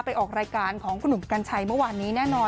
ออกรายการของคุณหนุ่มกัญชัยเมื่อวานนี้แน่นอน